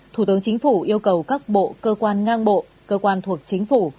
thủ tướng chính phủ yêu cầu các bộ cơ quan ngang bộ cơ quan thuộc chính phủ